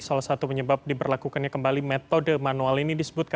salah satu penyebab diberlakukannya kembali metode manual ini disebutkan